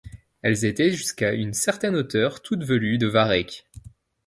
Elles étaient jusqu’à une certaine hauteur toutes velues de varech.